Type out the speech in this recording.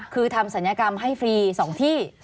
คือทำศัลยกรรมให้ฟรี๒ที่